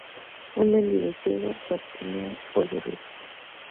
Un mendigo ciego, Bartimeo, oye ruido.